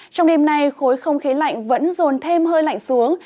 trong đêm nay khối không khí lạnh vẫn dồn thêm hơi lạnh xuống